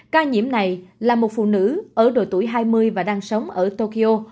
ca nhiễm này là một phụ nữ ở độ tuổi hai mươi và đang sống ở tokyo